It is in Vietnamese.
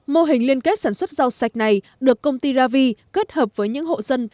mô hình liên kết sản xuất rau sạch này được công ty ravi kết hợp với những hộ dân